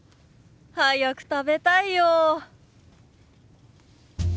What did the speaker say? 早く食べたいよ。